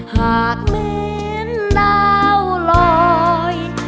หากเม้นดาวลอย